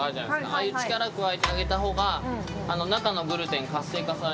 ああいう力加えてあげた方が中のグルテン活性化されるので。